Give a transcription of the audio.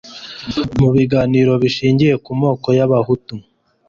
mu biganiro bishingiye ku moko y abahutu